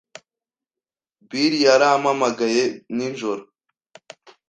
Bill yarampamagaye nijoro.